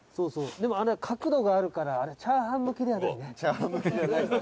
「でも、あれ角度があるからチャーハン向きではないね」